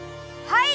はい！